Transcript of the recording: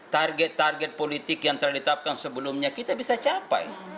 target target politik yang terletakkan sebelumnya kita bisa capai